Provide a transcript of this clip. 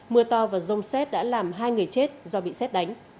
mưa to và rông xét đã làm hai người chết do bị xét đánh